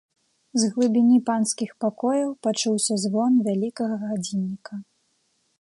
З глыбіні панскіх пакояў пачуўся звон вялікага гадзінніка.